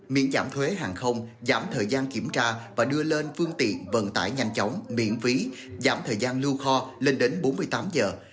miễn giảm thuế hàng không giảm thời gian kiểm tra và đưa lên phương tiện vận tải nhanh chóng miễn phí giảm thời gian lưu kho lên đến bốn mươi tám giờ